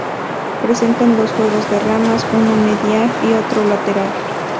Presentan dos juegos de ramas, uno "medial" y otro "lateral".